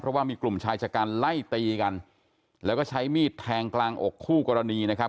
เพราะว่ามีกลุ่มชายชะกันไล่ตีกันแล้วก็ใช้มีดแทงกลางอกคู่กรณีนะครับ